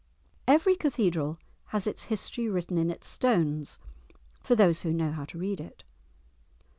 Every cathedral has its history written in its stones, for those who know how to read it.